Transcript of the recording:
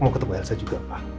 mau ketemu elsa juga pak